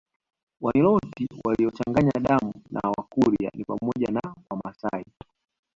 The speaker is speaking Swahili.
Waniloti waliochanganya damu na Wakurya ni pamoja na Wamasai